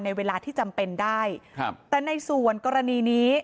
เวลาที่จำเป็นได้ครับแต่ในส่วนกรณีนี้